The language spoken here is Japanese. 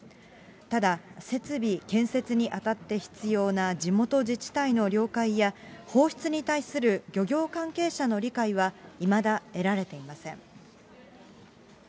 ただ、設備建設にあたって必要な地元自治体の了解や放出に対する漁業関係者の理解は、いまだ得られていません。